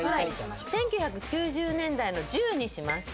１９９０年代の１０にします。